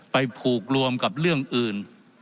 ไปผูกรวมกับเรื่องอื่น